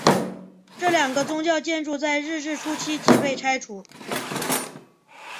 这两个宗教建筑在日治初期即被拆除。